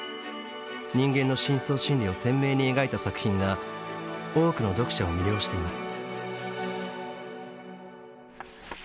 人間の深層心理を鮮明に描いた作品が多くの読者を魅了しています。